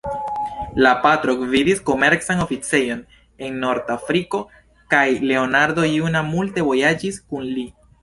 La patro gvidis komercan oficejon en Nord-Afriko kaj Leonardo juna multe vojaĝis kun li.